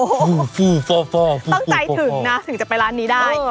โอ้โหฟื่อฟ่อต้องใจถึงนะถึงจะไปร้านนี้ได้